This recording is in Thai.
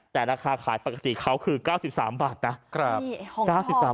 แต่ราคาขายปกติเขาคือ๙๓บาทนะ